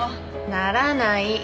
ならない。